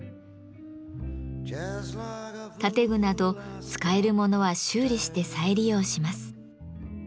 建具など使えるものは修理して再利用します。